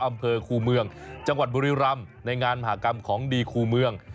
อำเภอคูเมืองจังหวัดบุรีรำในงานมหากรรมของดีคู่เมือง